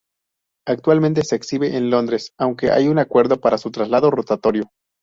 Actualmente se exhibe en Londres, aunque hay un acuerdo para su traslado rotatorio.